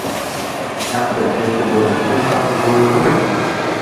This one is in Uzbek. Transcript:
— Yaxshi, — debdi Boʻri, — men ham buvingni koʻrib kelaman